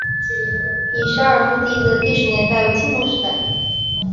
乙沙尔墓地的历史年代为青铜时代。